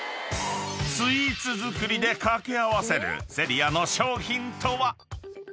［スイーツ作りで掛け合わせるＳｅｒｉａの商品とは？］